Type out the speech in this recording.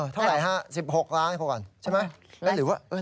เท่าไหร่ฮะ๑๖ล้านใช่ไหม